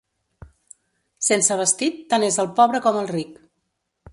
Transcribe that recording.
Sense vestit, tant és el pobre com el ric.